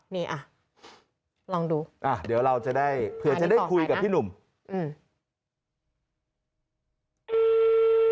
นี่อ่ะลองดูอ่าเดี๋ยวเราจะได้เผื่อจะได้คุยกับพี่หนุ่มอืม